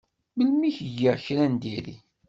Melmi i k-giɣ kra n diri?